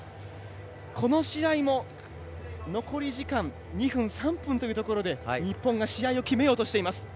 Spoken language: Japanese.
この試合も、残り時間２分、３分というところで日本が試合を決めようとしています。